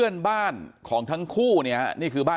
นางมอนก็บอกว่า